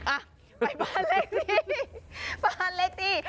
ไปบานเลขที่